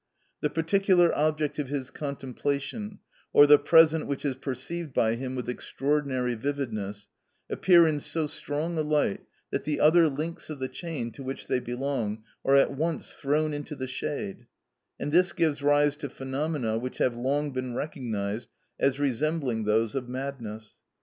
The particular object of his contemplation, or the present which is perceived by him with extraordinary vividness, appear in so strong a light that the other links of the chain to which they belong are at once thrown into the shade, and this gives rise to phenomena which have long been recognised as resembling those of madness.